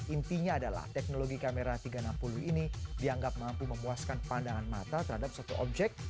intinya adalah teknologi kamera tiga ratus enam puluh ini dianggap mampu memuaskan pandangan mata terhadap satu objek